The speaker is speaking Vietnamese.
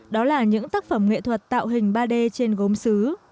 đó là những tác phẩm nghệ thuật tạo hình ba d trên gốm xứ